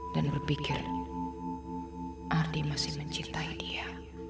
dan berpikir ardi masih mencintai dia